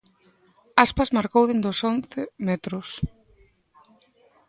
Aspas marcou desde os once metros.